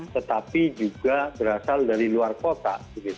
tetapi juga berasal dari luar kota